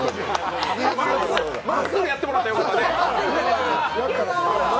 マンスールにやってもらったらよかったね！